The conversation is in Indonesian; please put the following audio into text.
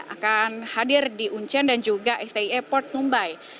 akan hadir di uncen dan juga stie port mumbai